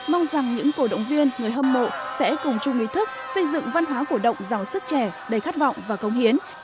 mong rằng những cổ động viên người hâm mộ sẽ cùng chung ý thức xây dựng văn hóa cổ động giàu sức trẻ đầy khát vọng và công hiến